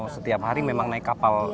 setiap hari memang naik kapal